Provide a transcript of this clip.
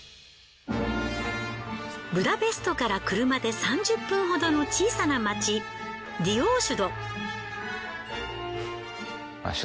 ブダペストから車で３０分ほどの小さな街ディオーシュド。